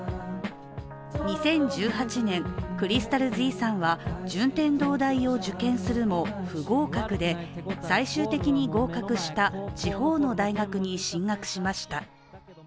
２０１８年、ｃｒｙｓｔａｌ−ｚさんは順天堂大を受験するも不合格で最終的に合格した地方の大学に進学しました。